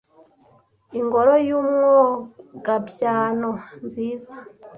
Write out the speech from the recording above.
Ingoro y’Umwogabyano! nziza